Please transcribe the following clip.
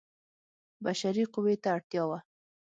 بشري قوې ته اړتیا وه.